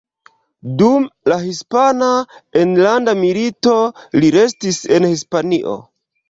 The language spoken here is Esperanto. Dum la Hispana Enlanda Milito li restis en Hispanio.